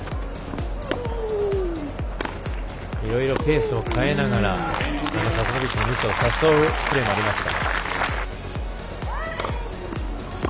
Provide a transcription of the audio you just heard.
いろいろペースを変えながらサスノビッチのミスを誘うプレーもありました。